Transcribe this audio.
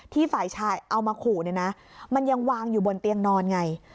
ฝ่ายชายเอามาขู่เนี่ยนะมันยังวางอยู่บนเตียงนอนไง